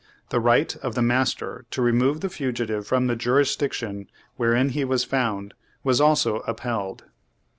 The right of the master to remove the fugitive from the jurisdiction wherein he was found, was also upheld.